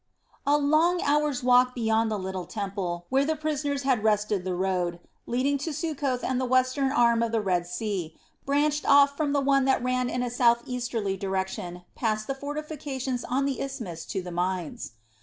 A long hour's walk beyond the little temple where the prisoners had rested the road, leading to Succoth and the western arm of the Red Sea, branched off from the one that ran in a southeasterly direction past the fortifications on the isthmus to the mines.